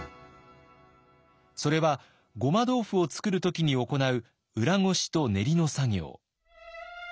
それはごま豆腐を作るときに行う裏ごしと練りの作業。